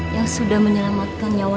yang sudah menyelamatkan nyawa